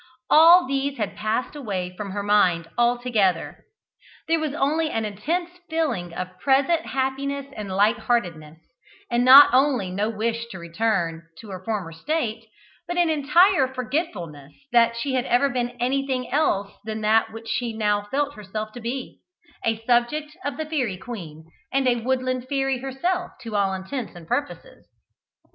All these had passed away from her mind altogether. There was only an intense feeling of present happiness and light heartedness, and not only no wish to return to her former state, but an entire forgetfulness that she had ever been anything else than that which she now felt herself to be a subject of the Fairy Queen, and a woodland fairy herself to all intents and purposes.